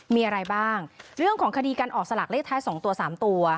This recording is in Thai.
มีอะไรบ้างเรื่องของคดีการออกสลากเลขท้าย๒ตัว๓ตัว